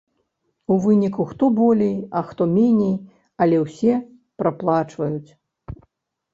У выніку хто болей, а хто меней, але ўсе праплачваюць.